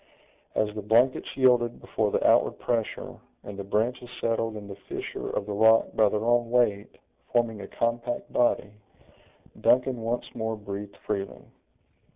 As the blankets yielded before the outward pressure, and the branches settled in the fissure of the rock by their own weight, forming a compact body, Duncan once more breathed freely.